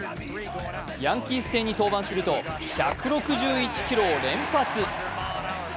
ヤンキース戦に登板すると１６１キロを連発。